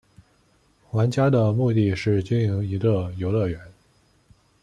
玩家的目的是经营一个游乐园。